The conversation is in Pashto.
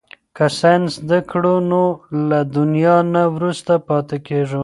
که ساینس زده کړو نو له دنیا نه وروسته پاتې کیږو.